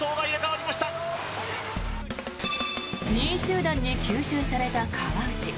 ２位集団に吸収された川内。